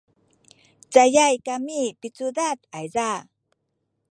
cayay kami picudad ayza